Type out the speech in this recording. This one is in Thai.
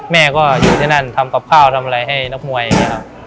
แม่ก็อยู่ที่นั่นทำกับข้าวทำอะไรให้นักมวยอย่างนี้ครับ